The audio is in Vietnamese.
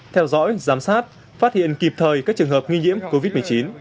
theo dõi giám sát phát hiện kịp thời các trường hợp nghi nhiễm covid một mươi chín